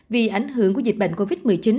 vì ảnh hưởng của dịch bệnh covid một mươi chín